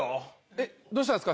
えっどうしたんですか？